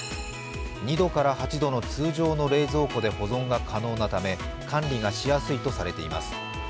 ２度から８度の通常の冷蔵庫で保存が可能なため管理がしやすいとされています。